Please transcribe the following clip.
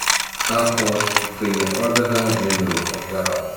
Achomhairc i gcoinne orduithe a rinneadh ar ghearán.